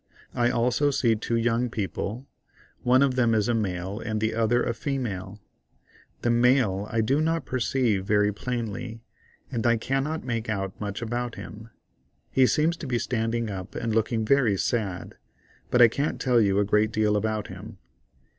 I also see two young people—one of them is a male and the other a female. The male I do not perceive very plainly, and I cannot make out much about him; he seems to be standing up and looking very sad, but I can't tell you a great deal about him.